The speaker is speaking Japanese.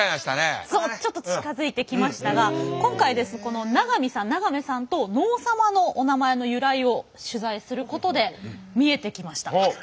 そうちょっと近づいてきましたが今回この詠さん詠さんと能サマのお名前の由来を取材することで見えてきました。